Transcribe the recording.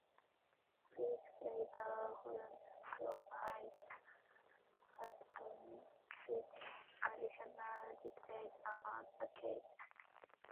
Weeks later, Holmes provides Watson with additional details about the case.